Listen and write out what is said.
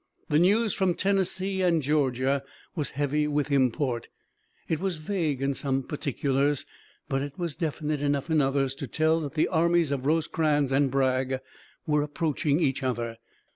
The news from Tennessee and Georgia was heavy with import. It was vague in some particulars, but it was definite enough in others to tell that the armies of Rosecrans and Bragg were approaching each other.